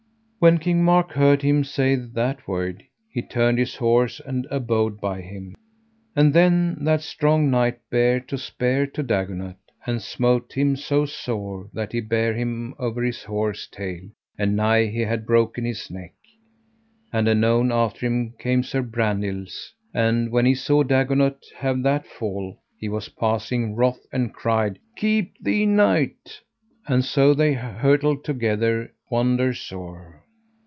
When King Mark heard him say that word, he turned his horse and abode by him. And then that strong knight bare a spear to Dagonet, and smote him so sore that he bare him over his horse's tail, and nigh he had broken his neck. And anon after him came Sir Brandiles, and when he saw Dagonet have that fall he was passing wroth, and cried: Keep thee, knight, and so they hurtled together wonder sore.